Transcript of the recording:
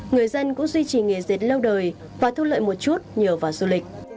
người dân cũng duy trì nghề dệt lâu đời và thu lợi một chút nhờ vào du lịch